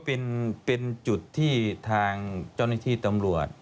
เป็นจุดที่ทางเจ้าหน้าที่ตำรวจ